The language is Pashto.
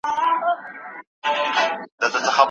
ولي وخت تنظیم مهم دی؟